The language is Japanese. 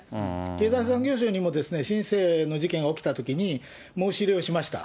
経済産業省にも申請の事件が起きたときに申し入れをしました。